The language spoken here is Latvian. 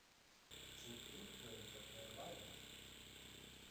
Šur tur to ir pat vēl vairāk.